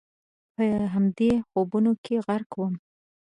په همدې خوبونو کې غرق ووم.